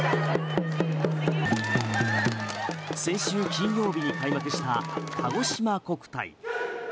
先週金曜日に開幕したかごしま国体。